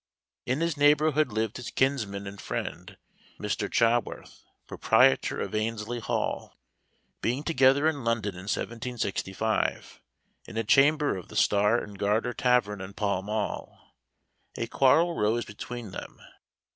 In his neighborhood lived his kinsman and friend, Mr. Chaworth, proprietor of Annesley Hall. Being together in London in 1765, in a chamber of the Star and Garter tavern in Pall Mall, a quarrel rose between them.